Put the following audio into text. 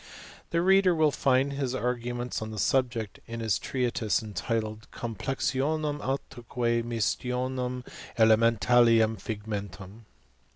The reader will find his arguments on the Subject, in his treatise entitled " Complexionum atquef Mistionum elementalium Figmentum."